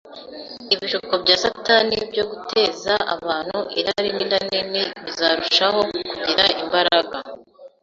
ibishuko bya Satani byo guteza abantu irari n’inda nini bizarushaho kugira imbaraga